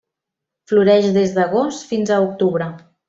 Floreix des d'agost fins a octubre.